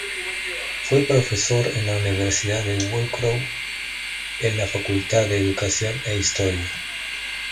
Fue profesor en la Universidad de Wroclaw en la Facultad de Educación e Historia.